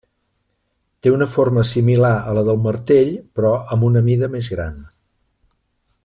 Té una forma similar a la del martell, però amb una mida més gran.